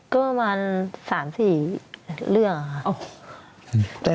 ก็ประมาณ๓๔เรื่องค่ะ